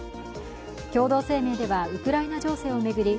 共同声明では、ウクライナ情勢を巡り